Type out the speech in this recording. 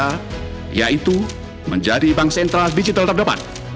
pertama yaitu menjadi bank sentral digital terdepan